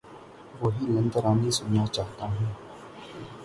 وہی لن ترانی سنا چاہتا ہوں